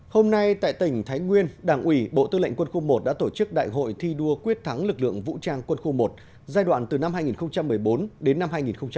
hôm nay tại tỉnh thái nguyên đảng ủy bộ tư lệnh quân khu một đã tổ chức đại hội thi đua quyết thắng lực lượng vũ trang quân khu một giai đoạn từ năm hai nghìn một mươi bốn đến năm hai nghìn một mươi chín